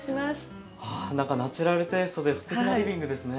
あナチュラルテイストですてきなリビングですね。